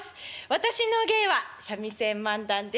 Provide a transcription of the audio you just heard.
私の芸は三味線漫談です。